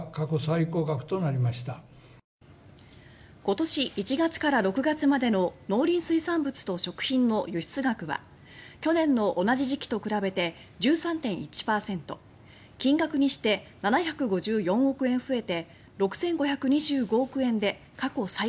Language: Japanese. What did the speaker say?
今年１月から６月までの農林水産物と食品の輸出額は去年の同じ時期と比べて１３．１％金額にして７５４億円増えて６５２５億円で過去最高になりました。